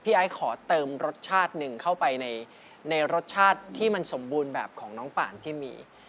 ไอ้ขอเติมรสชาติหนึ่งเข้าไปในรสชาติที่มันสมบูรณ์แบบของน้องป่านที่มี